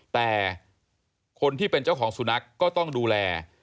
แต่คนที่เป็นเจ้าของสุนัขก็ต้องดูแล